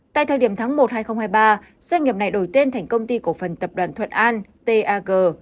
tại thời điểm tháng một hai nghìn hai mươi ba doanh nghiệp này đổi tên thành công ty cổ phần tập đoàn thuận an tag